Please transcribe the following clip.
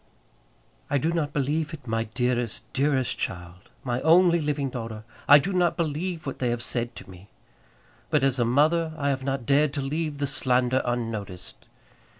I do not believe it, my dearest, dearest child, my only living daughter; I do not believe what they have said to me. But as a mother I have not dared to leave the slander unnoticed.